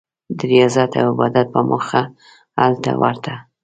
د ریاضت او عبادت په موخه هلته ورته.